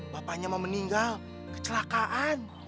bapaknya mau meninggal kecelakaan